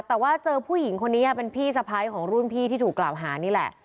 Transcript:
แต่ว่าเจอผู้หญิงคนนี้เป็นพี่สะพ้ายของรุ่นพี่ที่ถูกกล่าวหานี่แหละ